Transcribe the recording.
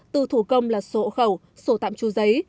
từ thủ công là sổ khẩu sổ tạm tru giấy